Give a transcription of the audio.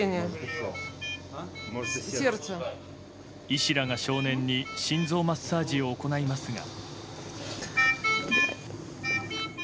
医師らが少年に心臓マッサージを行いますが。